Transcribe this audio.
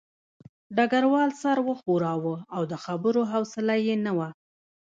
ډګروال سر وښوراوه او د خبرو حوصله یې نه وه